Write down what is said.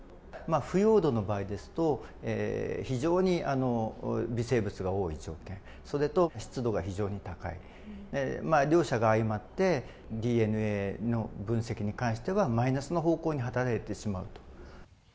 腐葉土の場合ですと、非常に微生物が多い状態、それと湿度が非常に高い、両者が相まって、ＤＮＡの分析に関してはマイナスの方向に働いてしまう。